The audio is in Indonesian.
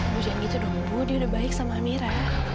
bu jangan gitu dong bu dia udah baik sama amira